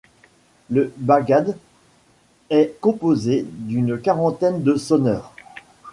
Le Bagad est composé d'une quarantaine de sonneurs.